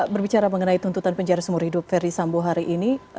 berbicara mengenai tuntutan penjara seumur hidup ferry sambo hari ini